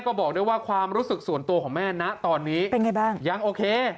ก็บอกด้วยว่าความรู้สึกส่วนตัวของแม่นะตอนนี้เป็นไงบ้างยังโอเค